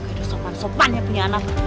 gede sopan sopan yang punya anak